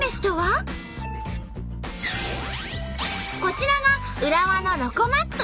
こちらが浦和のロコＭＡＰ。